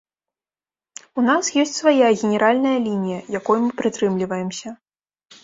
У нас ёсць свая генеральная лінія, якой мы прытрымліваемся.